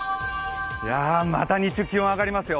また日中、気温上がりますよ。